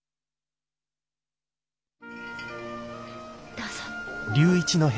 どうぞ。